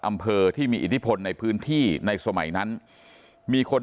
อำเภอที่มีอิทธิพลในพื้นที่ในสมัยนั้นมีคน